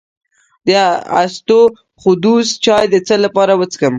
د اسطوخودوس چای د څه لپاره وڅښم؟